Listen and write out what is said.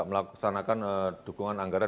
melaksanakan dukungan anggaran